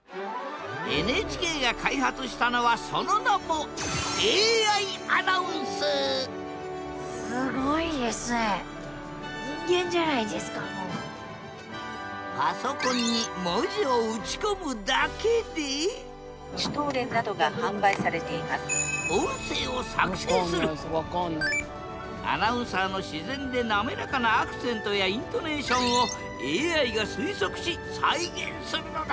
ＮＨＫが開発したのはその名もパソコンに文字を打ち込むだけでアナウンサーの自然で滑らかなアクセントやイントネーションをＡＩが推測し再現するのだ！